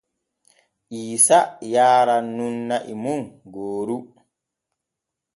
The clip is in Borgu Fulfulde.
Iisa yaaran nun na’i mum gooru.